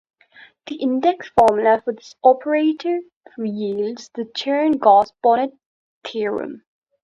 The index formula for this operator yields the Chern-Gauss-Bonnet theorem.